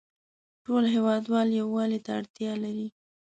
ټول هیوادوال یووالې ته اړتیا لری